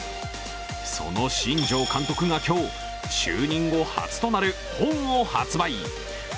その新庄監督が今日、就任後初となる本を発売。